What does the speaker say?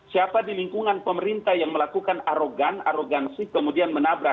siapa di lingkungan pemerintah yang melakukan arogan arogansi kemudian menabrak